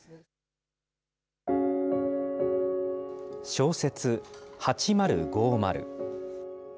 小説８０５０。